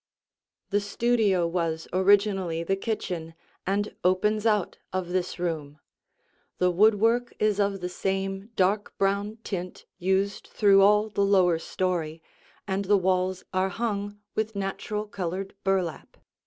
The studio was originally the kitchen and opens out of this room. The woodwork is of the same dark brown tint used through all the lower story, and the walls are hung with natural colored burlap.